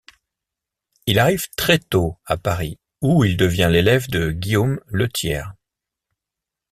Il arrive très tôt à Paris où il devient l'élève de Guillaume Lethière.